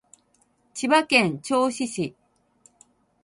千葉県銚子市